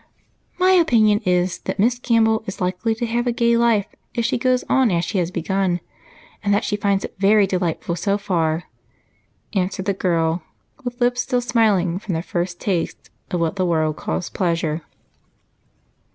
"My opinion is that Miss Campbell is likely to have a gay life if she goes on as she has begun, and that she finds it very delightful so far," answered the girl, with lips still smiling from their first taste of what the world calls pleasure.